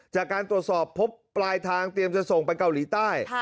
จากการตรวจสอบพบปลายทางเตรียมจะส่งไปเกาหลีใต้